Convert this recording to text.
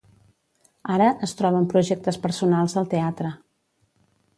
Ara, es troba amb projectes personals al teatre.